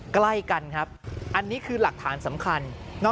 ใกล้กันครับอันนี้คือหลักฐานสำคัญ